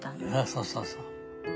そうそうそう。